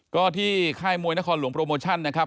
ก็ที่ค่ายมวยนครหลวงโปรโมชั่นนะครับ